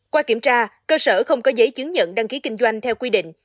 qua kiểm tra cơ sở không có giấy chứng nhận đăng ký kinh doanh theo quy định